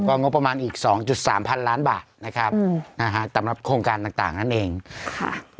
ก็งบประมาณอีก๒๓พันล้านบาทนะครับสำหรับโครงการต่างนั่นเองค่ะ